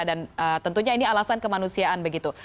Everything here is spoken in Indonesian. dan tentunya ini alasan kemanusiaan begitu